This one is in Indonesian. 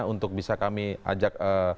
untuk bisa kami ajak